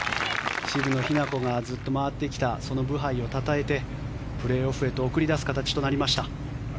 渋野日向子がずっと回ってきたそのブハイをたたえてプレーオフへと送り出す形となりました。